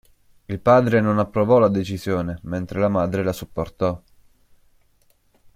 Il padre non approvò la decisione, mentre la madre la supportò.